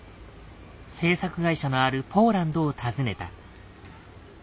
制作会社のあるポーランドを訪ねた。